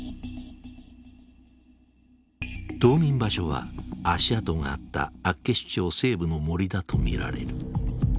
冬眠場所は足跡があった厚岸町西部の森だと見られる。